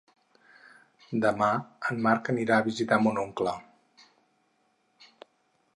Demà en Marc anirà a visitar mon oncle.